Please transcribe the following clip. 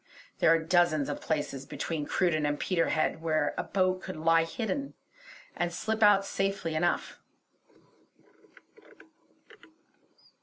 There are dozens of places between Cruden and Peterhead where a boat could lie hidden, and slip out safely enough.